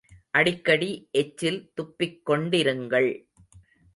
அடிக்கடி எச்சில் துப்பிக்கொண்டிருங்கள்.